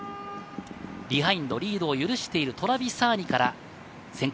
ビハインド、リードを許してるトラビサーニから先攻。